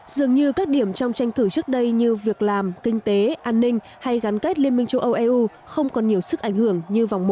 dường như các điểm trong tranh cử trước đây như việc làm kinh tế an ninh hay gắn kết liên minh châu âu eu không còn nhiều sức ảnh hưởng như vòng một